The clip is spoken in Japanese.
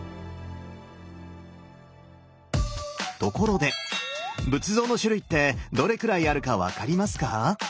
ところで仏像の種類ってどれくらいあるか分かりますか？